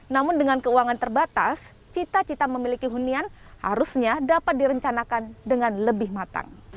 namun dengan keuangan terbatas cita cita memiliki hunian harusnya dapat direncanakan dengan lebih matang